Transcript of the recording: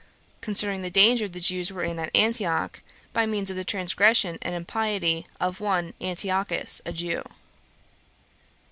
Concerning The Danger The Jews Were In At Antioch, By Means Of The Transgression And Impiety Of One Antiochus, A Jew.